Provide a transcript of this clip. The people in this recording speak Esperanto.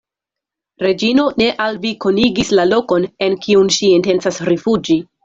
Reĝino ne al vi konigis la lokon, en kiun ŝi intencas rifuĝi.